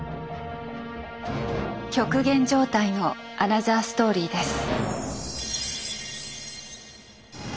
極限状態のアナザーストーリーです。